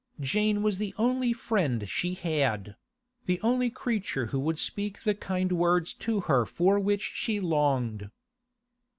Jane was the only friend she had; the only creature who would speak the kind of words to her for which she longed.